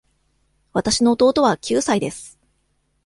わたしの弟は九歳です。